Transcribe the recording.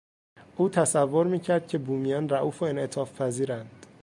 او تصور میکرد که بومیان رئوف و انعطافپذیرند.